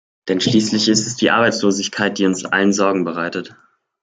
Denn schließlich ist es die Arbeitslosigkeit, die uns allen Sorgen bereitet.